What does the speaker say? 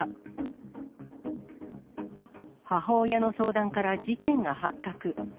母親の相談から事件が発覚。